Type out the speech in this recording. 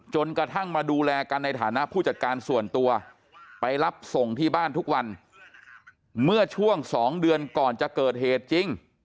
จนกระทั่งมาดูแลกันในฐานะผู้จัดการส่วนตัวไปรับส่งที่บ้านทุกวันเมื่อช่วง๒เดือนก่อนจะเกิดเหตุจริง